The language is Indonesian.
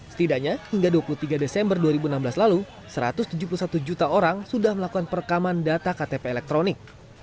setidaknya hingga dua puluh tiga desember dua ribu enam belas lalu satu ratus tujuh puluh satu juta orang sudah melakukan perekaman data ktp elektronik